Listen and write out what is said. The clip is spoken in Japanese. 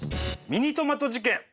「ミニトマト事件」。